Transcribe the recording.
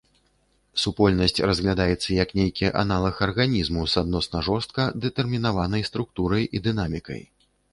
Супольнасць разглядаецца як нейкі аналаг арганізму с адносна жорстка дэтэрмінаванай структурай і дынамікай.